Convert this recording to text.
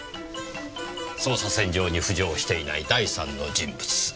捜査線上に浮上していない第三の人物。